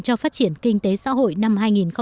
cho phát triển kinh tế xã hội năm hai nghìn một mươi tám